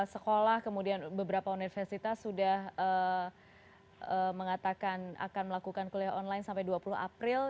sekolah kemudian beberapa universitas sudah mengatakan akan melakukan kuliah online sampai dua puluh april